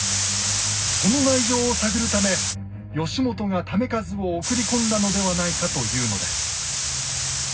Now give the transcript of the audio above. その内情を探るため義元が為和を送り込んだのではないかというのです。